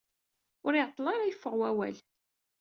Ur iɛeṭṭel ara yeffeɣ wawal.